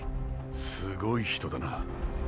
すごい人だな。